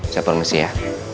saya permisi ya